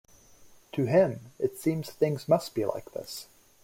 To him it seems things must be like this.